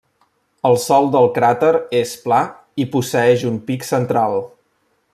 El sòl del cràter és pla i posseeix un pic central.